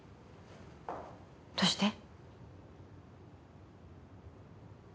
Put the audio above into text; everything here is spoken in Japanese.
どうして？